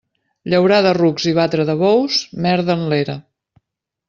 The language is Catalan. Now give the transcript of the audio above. Llaurar de rucs i batre de bous, merda en l'era.